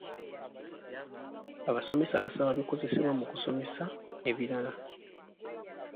Abasomesa basaba bikozesebwa mu kusomesa ebirala.